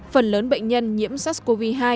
phần lớn bệnh nhân nhiễm sars cov hai